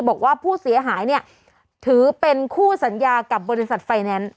บอกว่าผู้เสียหายเนี่ยถือเป็นคู่สัญญากับบริษัทไฟแนนซ์